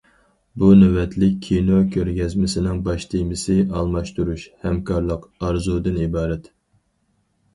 بۇ نۆۋەتلىك كىنو كۆرگەزمىسىنىڭ باش تېمىسى« ئالماشتۇرۇش، ھەمكارلىق، ئارزۇ» دىن ئىبارەت.